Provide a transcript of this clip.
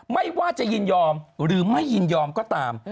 ไม่ว่าจะยินยอมหรือไม่ยินยอมก็ตาม